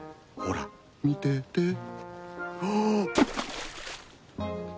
ほら見てて。